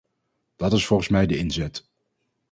Dat is volgens mij de inzet.